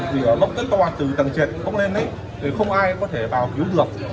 vì ở lúc đó từ tầng trệt không lên đấy thì không ai có thể vào cứu được